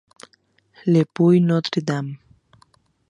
Le Puy-Notre-Dame